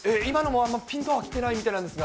ピンとは来てないみたいなんですが。